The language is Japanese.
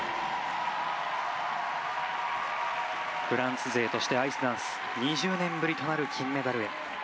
フランス勢としてアイスダンス２０年ぶりとなる金メダルへ。